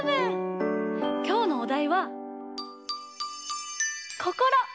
きょうのおだいは「こころ」！